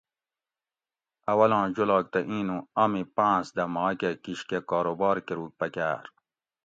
اولاں جولاگ تہ اِینوں امی پاۤنس دہ ماکہ کِشکہ کاروبار کۤروگ پکاۤر